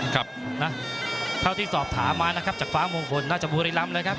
เขาที่สอบถาม้านะครับจากฟ้ามงคลฯก็จะบุรีลำทันเลยครับ